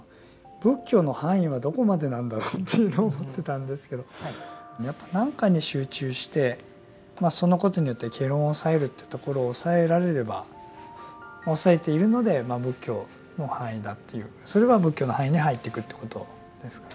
仏教の範囲はどこまでなんだろうというふうに思ってたんですけどやっぱ何かに集中してそのことによって戯論を抑えるというところを押さえられれば押さえているのでまあ仏教の範囲だというそれは仏教の範囲に入ってくということですかね。